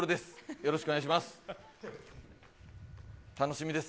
よろしくお願いします。